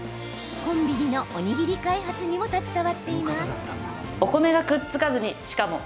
コンビニのおにぎり開発にも携わっています。